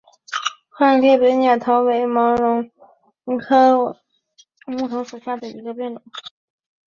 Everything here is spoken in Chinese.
宽裂北乌头为毛茛科乌头属下的一个变种。